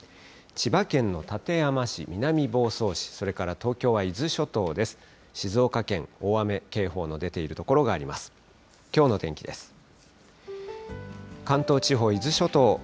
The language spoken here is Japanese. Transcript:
千葉県の館山市、南房総市、それから東京は伊豆諸島です。